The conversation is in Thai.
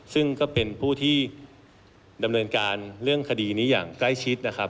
ซึ่งก็เป็นผู้ที่ดำเนินการเรื่องคดีนี้อย่างใกล้ชิดนะครับ